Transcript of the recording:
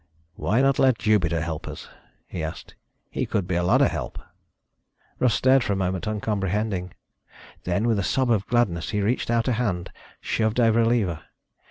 "Why not let Jupiter help us?" he asked. "He could be a lot of help." Russ stared for a moment, uncomprehending. Then with a sob of gladness he reached out a hand, shoved over a lever.